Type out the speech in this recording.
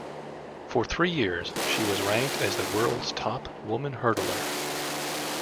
For three years, she was ranked as the world's top woman hurdler.